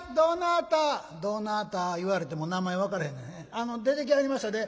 あの出てきはりましたで。